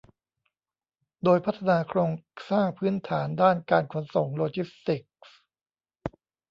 โดยพัฒนาโครงสร้างพื้นฐานด้านการขนส่งโลจิสติกส์